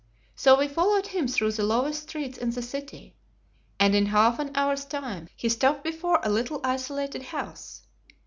So we followed him through the lowest streets in the city, and in half an hour's time he stopped before a little isolated house.